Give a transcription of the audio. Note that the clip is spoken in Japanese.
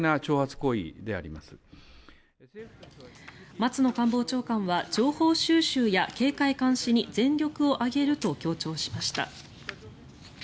松野官房長官は情報収集や警戒監視に全力を挙げると強調しました。